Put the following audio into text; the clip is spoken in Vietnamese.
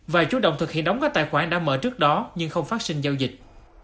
và chủ động thực hiện đóng các tài khoản đã mở trước đó nhưng không phát sinh giao dịch